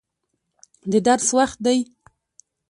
د درس وخت دی.